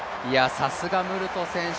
さすがムルト選手。